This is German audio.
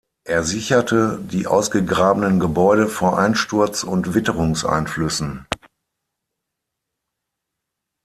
Er sicherte die ausgegrabenen Gebäude vor Einsturz und Witterungseinflüssen.